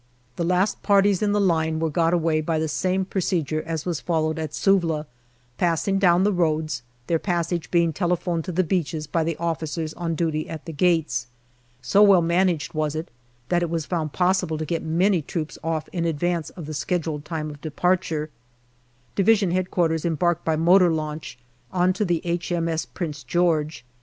The last parties in the line were got away by the same procedure as was followed at Suvla, passing down the roads, their passage being telephoned to the beaches by the officers on duty at the gates. So well managed was it that it was found possible to get many troops off in advance of the scheduled time of departure. D.H.Q. embarked by motor launch on to H.M.S. Prince George.